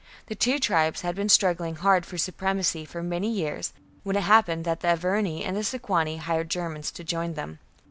The two tribes had been struggling hard for supremacy for many years, when it happened that the Arverni and the Sequani hired Germans to join them.